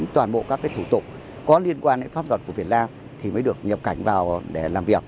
toàn bộ các thủ tục có liên quan đến pháp luật của việt nam thì mới được nhập cảnh vào để làm việc